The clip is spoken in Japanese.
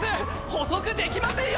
捕捉できませんよ！